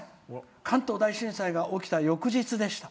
「関東大震災が起きた翌日でした。